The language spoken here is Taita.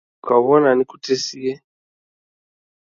Kwaw'ona nikutesie?